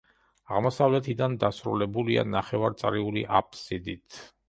აღმოსავლეთიდან დასრულებულია ნახევარწრიული აბსიდით.